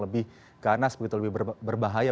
lebih ganas begitu lebih berbahaya